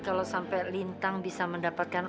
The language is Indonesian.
kalau sampai lintang bisa mendapatkan